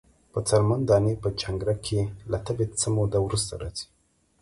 په څرمن دانی په جنکره کښی له تبی څه موده وروسته راځی۔